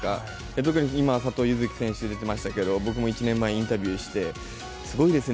特に今、佐藤柚月選手、出ていましたけれどもインタビューして、すごいですね。